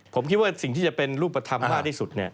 ผมคิดว่าสิ่งที่จะเป็นรูปธรรมมากที่สุด